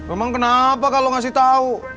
emang kenapa kalau ngasih tahu